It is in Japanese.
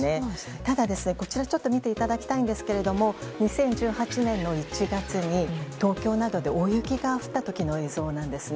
ただ、こちらを見ていただきたいんですが２０１８年の１月に東京などで大雪が降った時の映像なんですね。